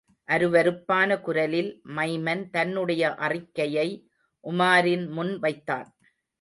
அருவருப்பான குரலில், மைமன் தன்னுடைய அறிக்கையை உமாரின் முன் வைத்தான்.